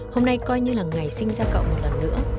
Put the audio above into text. hôm nay coi như là ngày sinh ra cậu một lần nữa